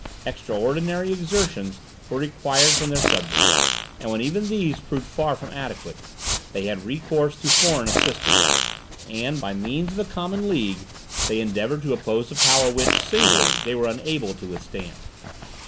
Extraordinary exertions were required from their subjects; and when even these proved far from adequate, they had recourse to foreign assistance; and, by means of a common league, they endeavoured to oppose a power which, singly, they were unable to withstand.